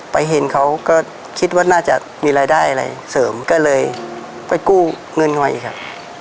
เห็นเขาก็คิดว่าน่าจะมีรายได้อะไรเสริมก็เลยไปกู้เงินมาอีกครับ